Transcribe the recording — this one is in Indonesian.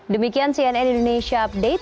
demikian cnn indonesia update